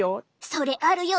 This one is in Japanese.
それあるよ！